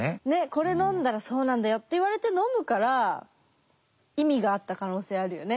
「これ飲んだらそうなんだよ」って言われて飲むから意味があった可能性あるよね。